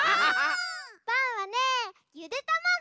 バウはねゆでたまご！